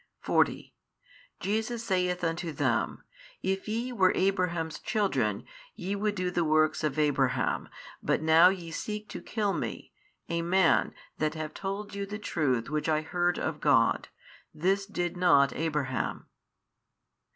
40 Jesus saith unto them, If ye were Abraham's children, ye would do the works of Abraham; but now ye seek to kill Me, a Man That have told you the truth which I heard of God, this did not Abraham.